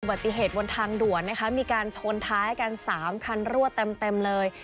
ปฏิเหตุบนทางด่วนนะคะมีการชนท้ายกัน๓คันรั่วเต็มเลย